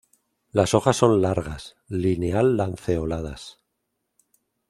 Las hojas son largas; lineal-lanceoladas.